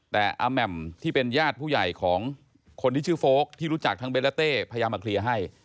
แต่อาแหม่มที่เป็นญาติผู้ใหญ่ของคนที่ชื่อโฟลกที่รู้จักทั้งเบ้นและเต้พยายามมาเคลียร์ให้